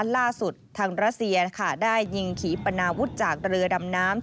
ล่าสุดทางรัสเซียได้ยิงขี่ปนาวุฒิจากเรือดำน้ำ